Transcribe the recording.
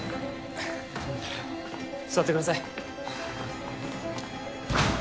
座ってください。